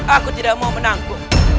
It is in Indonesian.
aku tidak mau menangku